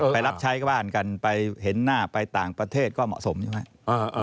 ไปรับใช้ก็บ้านกันไปเห็นหน้าไปต่างประเทศก็เหมาะสมใช่ไหม